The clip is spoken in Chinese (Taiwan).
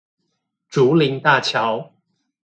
竹林大橋